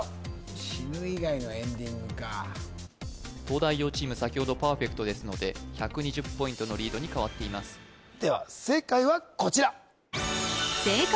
死ぬ以外のエンディングか東大王チーム先ほどパーフェクトですので１２０ポイントのリードに変わっていますでは正解はこちら